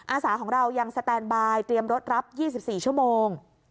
อาสาของเรายังสแตนบายเตรียมรถรับ๒๔ชั่วโมง